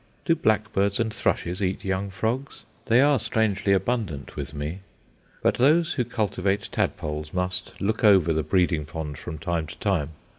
Do blackbirds and thrushes eat young frogs? They are strangely abundant with me. But those who cultivate tadpoles must look over the breeding pond from time to time.